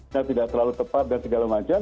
yang tidak terlalu tepat dan segala macam